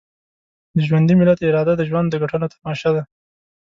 د ژوندي ملت اراده د ژوند د ګټلو تماشه ده.